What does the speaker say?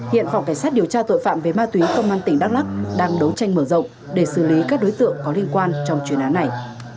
hiện phòng cảnh sát điều tra tội phạm về ma túy công an tỉnh đắk lắc đang đấu tranh mở rộng để xử lý các đối tượng có liên quan trong chuyên án này